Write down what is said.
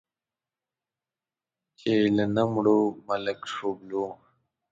چې له نه مړو، ملک شوبلو.